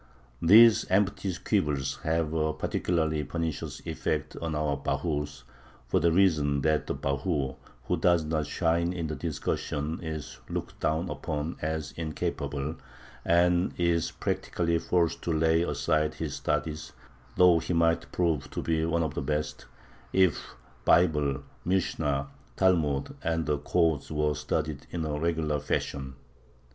These empty quibbles have a particularly pernicious effect on our bahurs, for the reason that the bahur who does not shine in the discussion is looked down upon as incapable, and is practically forced to lay aside his studies, though he might prove to be one of the best, if Bible, Mishnah, Talmud, and the Codes were studied in a regular fashion.